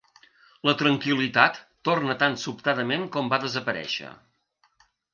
La tranquil·litat torna tan sobtadament com va desaparèixer.